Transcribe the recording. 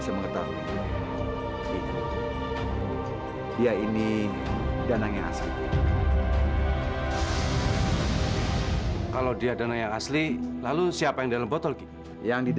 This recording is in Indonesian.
saya tidak mau jadi orang jahat lagi